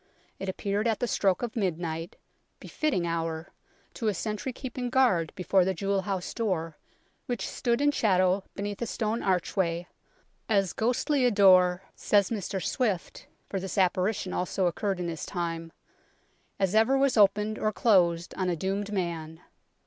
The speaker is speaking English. It appeared at the stroke of midnight befitting hour ! to a sentry keeping guard before the Jewel House door, which stood in shadow beneath a stone archway " as ghostly a door," says Mr Swifte (for this apparition also occurred in his time) " as ever was opened or closed on a doomed man."